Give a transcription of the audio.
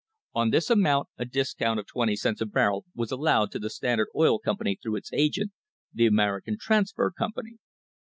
On this amount a discount of twenty cents a barrel was allowed to the Standard Oil Com pany through its agent, the American Transfer Company.